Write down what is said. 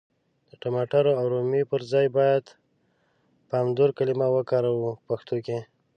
د ټماټر او رومي پر ځای بايد پامدور کلمه وکاروو په پښتو کي.